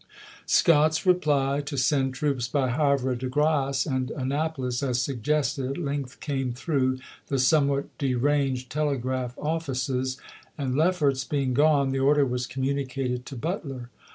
Thomas to Scott's reply to send troops by Havre de Grace ipSisei. and Annapolis, as suggested, at length came li., p. s^.' through the somewhat deranged telegraph ofi&ces ; Pattci Bon and Lefferts being gone, the order was communi IpSS cated to Butler.